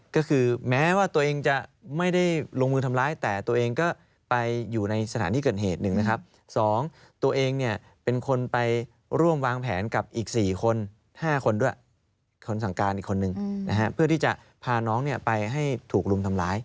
ก็คือแม้ว่าตัวเองจะไม่ได้ลงมือทำร้ายแต่ตัวเองก็ไปอยู่ในสถานที่เกิดเหตุหนึ่งนะครับ๒ตัวเองเนี่ยเป็นคนไปร่วมวางแผนกับอีก๔คน๕คนด้วยคนสั่งการอีกคนนึงนะฮะเพื่อที่จะพาน้องเนี่ยไปให้ถูกรุมทำร้าย